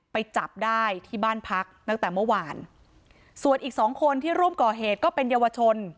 ไปจับได้ที่บ้านพักตั้งแต่เมื่อวานส่วนอีกสองคนที่ร่วมก่อเหตุก็เป็นเยาวชน